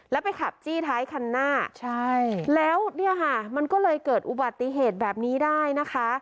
แล้วไปขับจี้ท้ายคันหน้าใช่แล้วเนี่ยค่ะมันก็เลยเกิดอุบัติเหตุแบบนี้ได้นะคะ